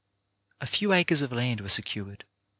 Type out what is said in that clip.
A few acres of land were secured.